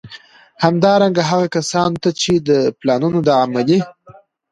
همدارنګه، هغو کسانو ته چي د پلانونو د عملي